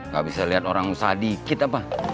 gak bisa lihat orang usaha dikit apa